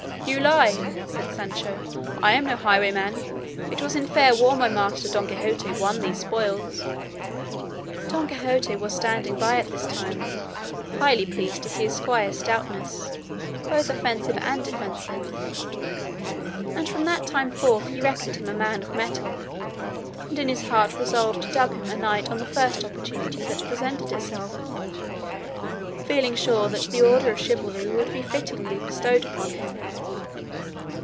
"You lie," said Sancho, "I am no highwayman; it was in fair war my master Don Quixote won these spoils." Don Quixote was standing by at the time, highly pleased to see his squire's stoutness, both offensive and defensive, and from that time forth he reckoned him a man of mettle, and in his heart resolved to dub him a knight on the first opportunity that presented itself, feeling sure that the order of chivalry would be fittingly bestowed upon him.